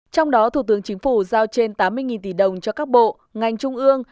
trong đó thủ tướng chính phủ giao trên tám mươi tỷ đồng cho các bộ ngành trung ương